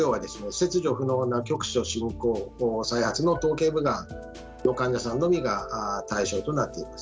切除不能な局所進行再発の頭頸部がんの患者さんのみが対象となっています。